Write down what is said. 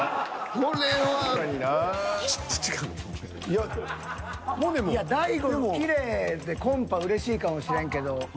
いや大悟もきれいでコンパうれしいかもしれんけど。